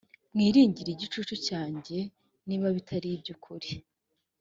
mwiringire igicucu cyanjye niba bitari iby ukuri